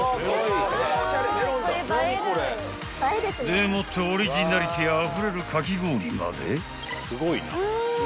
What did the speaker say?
［でもってオリジナリティーあふれるかき氷まで］